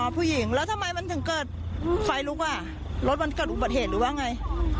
พุยีอ๋อพุยีแล้วทำไมมันถึงเกิดไฟลุกอ่ะรถมันเกิดอุปสรรคหรือว่าไง